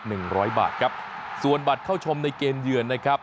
กุญสือทีมชาติไทยเปิดเผยว่าน่าจะไม่มีปัญหาสำหรับเกมในนัดชนะเลิศครับ